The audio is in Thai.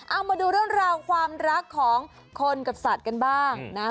เอามาดูเรื่องราวความรักของคนกับสัตว์กันบ้างนะ